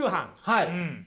はい。